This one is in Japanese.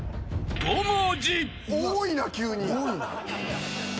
多いな急に。